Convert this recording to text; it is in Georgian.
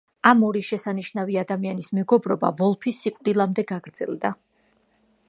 ამ ორი შესანიშნავი ადამიანის მეგობრობა, ვოლფის სიკვდილამდე გაგრძელდა.